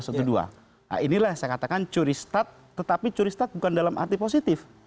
nah inilah yang saya katakan curi start tetapi curi start bukan dalam arti positif